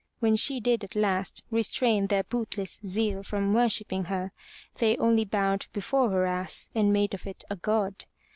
When she did at last restrain their bootless zeal from worshipping her, they only bowed before her ass and made of it a God.